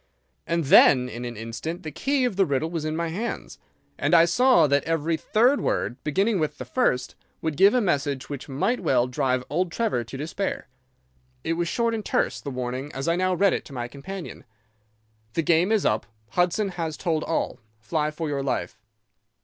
And then in an instant the key of the riddle was in my hands, and I saw that every third word, beginning with the first, would give a message which might well drive old Trevor to despair. "It was short and terse, the warning, as I now read it to my companion: "'The game is up. Hudson has told all. Fly for your life.